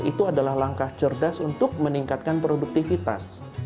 itu adalah langkah cerdas untuk meningkatkan produktivitas